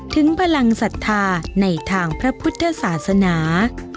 ถึงพลังศรัทธาในทางพระพุทธศาสนา